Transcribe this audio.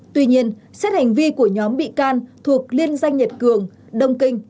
tuy nhiên xét hành vi của nhóm bị can thuộc liên danh nhật cường đông kinh